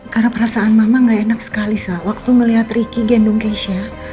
karena perasaan mama gak enak sekali sa waktu ngelihat ricky gendong kece